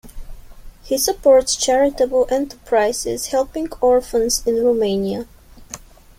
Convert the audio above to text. He supports charitable enterprises helping orphans in Romania.